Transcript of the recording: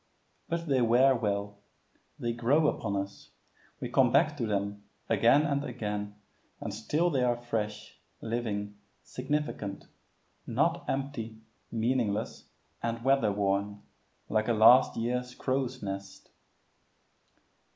But they wear well; they grow upon us; we come back to them again and again, and still they are fresh, living, significant not empty, meaningless, and weather worn, like a last year's crow's nest.